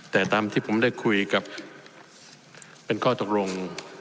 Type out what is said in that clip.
แต่ตามที่ผมได้คุยกับเป็นข้อตกลง